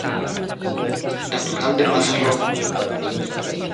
Natural de Mazarrón.